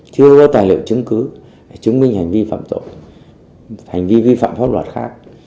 chưa có tài liệu chứng cứ để chứng minh hành vi phạm tội hành vi vi phạm pháp luật khác